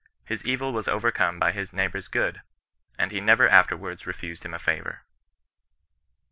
His evil was overcome by his neighbour's good, and he never afterwards refused him a favour.